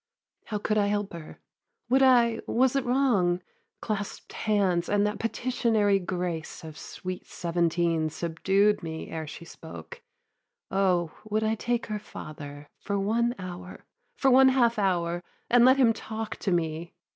How could I help her? "Would I was it wrong?" (Claspt hands and that petitionary grace Of sweet seventeen subdued me ere she spoke) "O would I take her father for one hour, For one half hour, and let him talk to me!"